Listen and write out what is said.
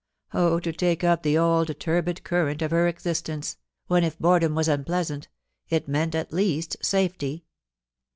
Oh to take up the old turbid current of her existence, when, if boredom was unpleasant, it meant at least safety